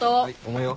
重いよ。